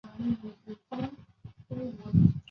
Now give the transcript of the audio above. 姜氏芋螺为芋螺科芋螺属下的一个种。